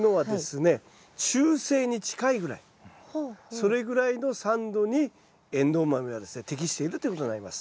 それぐらいの酸度にエンドウ豆はですね適しているということになります。